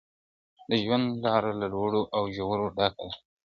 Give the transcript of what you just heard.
د ژوند لاره له لوړو او ژورو ډکه ده.